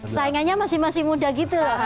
saingannya masih masih muda gitu